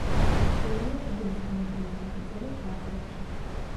მოქცეულია ყირიმის ბუნებრივი ნაკრძალის ფარგლებში.